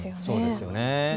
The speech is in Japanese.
そうですよね。